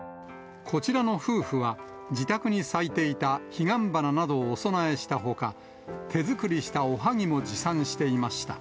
こちらの夫婦は、自宅に咲いていた彼岸花などをお供えしたほか、手作りしたおはぎも持参していました。